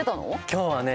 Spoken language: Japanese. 今日はね